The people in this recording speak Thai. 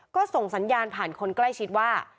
ก็ส่งสัญญาณผ่านคนใกล้ชิดว่า